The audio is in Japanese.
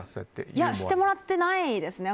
いや、してもらってないですね。